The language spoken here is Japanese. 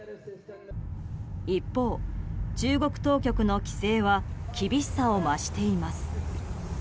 一方、中国当局の規制は厳しさを増しています。